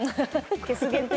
消す限定？